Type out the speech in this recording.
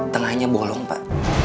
tengahnya bolong pak